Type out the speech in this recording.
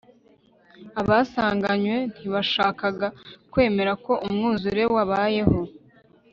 abasanganywe ntibashakaga kwemera ko umwuzure wabayeho